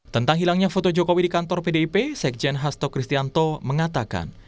tentang hilangnya foto jokowi di kantor pdip sekjen hasto kristianto mengatakan